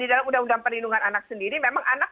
di dalam undang undang perlindungan anak sendiri memang anak